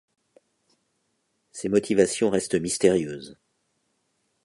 Ses motivations restent mystérieuses.